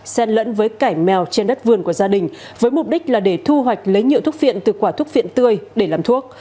sen lẫn với cải mèo trên đất vườn của gia đình với mục đích là để thu hoạch lấy nhựa thuốc phiện từ quả thuốc phiện tươi để làm thuốc